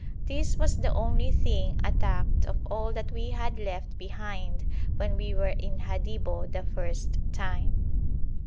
This was the only thing attacked of all that we had left behind when we were in Hadibo the first time.